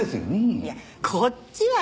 いやこっちはね